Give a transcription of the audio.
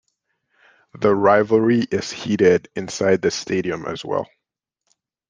The rivalry is heated inside the stadium as well.